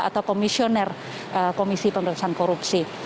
atau komisioner komisi pemberantasan korupsi